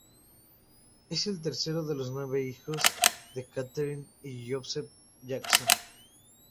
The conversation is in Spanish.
Es el tercero de los nueve hijos de Katherine y Joseph Jackson.